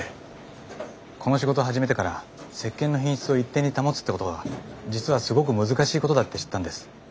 この仕事始めてから石鹸の品質を一定に保つってことが実はすごく難しいことだって知ったんです。